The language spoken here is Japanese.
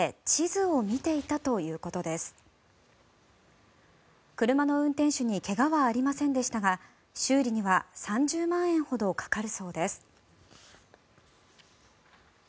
車の運転手に怪我はありませんでしたが修理には３０万円ほどかかるそうです。